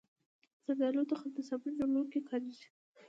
زردالو تخم د صابون جوړولو کې کارېږي.